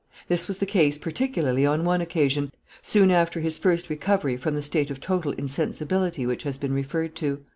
This was the case particularly on one occasion, soon after his first recovery from the state of total insensibility which has been referred to.